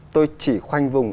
tôi chỉ khoanh vùng